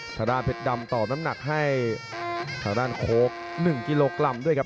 ทางด้านเพชรดำตอบน้ำหนักให้ทางด้านโค้ก๑กิโลกรัมด้วยครับ